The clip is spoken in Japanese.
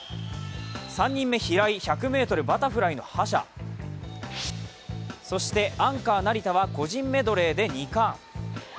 ３人目・平井、１００ｍバタフライの覇者そしてアンカー・成田は個人メドレーで２冠。